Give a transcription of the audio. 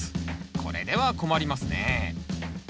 これでは困りますね